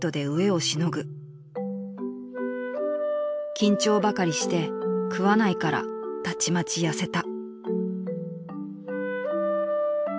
［「緊張ばかりして食わないからたちまち痩せた」］